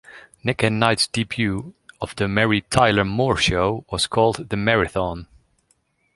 Nick at Nite's debut of "The Mary Tyler Moore Show" was called the "Marython".